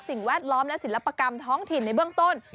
แวดล้อมและศิลปกรรมท้องถิ่นในเบื้องต้น